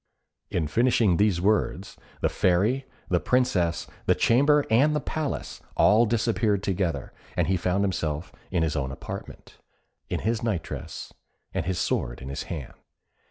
In finishing these words the Fairy, the Princess, the chamber, and the palace, all disappeared together, and he found himself in his own apartment, in his night dress, and his sword in his hand.